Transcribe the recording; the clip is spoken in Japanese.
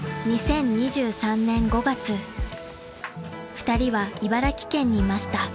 ［２人は茨城県にいました］